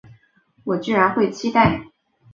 我居然会期待